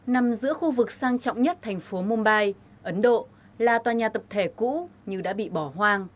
nằm giữa khu vực sang trọng nhất thành phố mumbai ấn độ là tòa nhà tập thể cũ như đã bị bỏ hoang